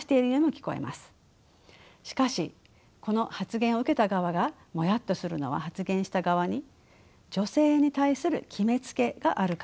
しかしこの発言を受けた側がモヤっとするのは発言した側に女性に対する決めつけがあるからです。